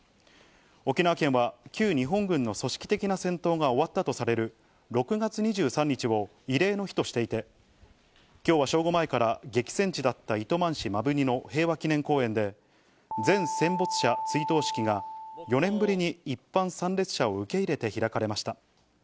沖縄県は旧日本軍の組織的な戦闘が終わったとされる６月２３日を慰霊の日としていて、きょうは正午前から激戦地だった糸満市摩文仁の平和祈念公園で、全戦没者追悼式が４年ぶりに一般参列者を受け入れて開かれました。